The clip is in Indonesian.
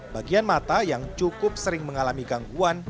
bagian mata yang cukup sering mengalami gangguan